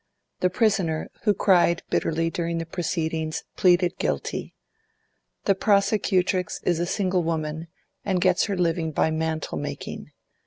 The prisoner, who cried bitterly during the proceedings, pleaded guilty. The prosecutrix is a single woman, and gets her living by mantle making.